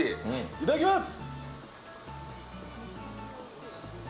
いただきます！